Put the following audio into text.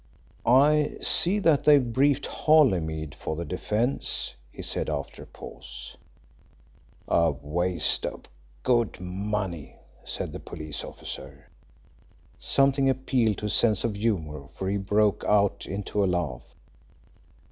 "I see that they've briefed Holymead for the defence," he said after a pause. "A waste of good money," said the police officer. Something appealed to his sense of humour, for he broke out into a laugh.